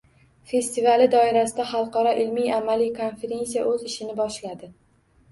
Festivali doirasida xalqaro ilmiy-amaliy konferensiya oʻz ishini boshladi.